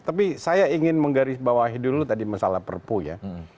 tapi saya ingin menggarisbawahi dulu tadi masalah perpu ya